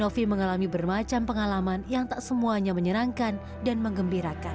novi mengalami bermacam pengalaman yang tak semuanya menyerangkan dan mengembirakan